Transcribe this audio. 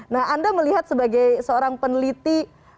nah anda melihat sebagai seorang peneliti